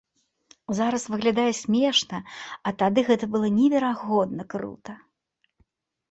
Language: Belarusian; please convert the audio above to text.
Зараз выглядае смешна, а тады гэта было неверагодна крута!